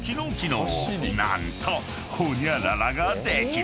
［何とホニャララができる］